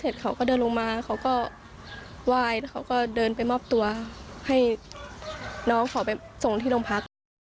จงที่ลงพัก